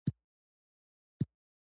نور نو نه یمه خبر حقیقت څه دی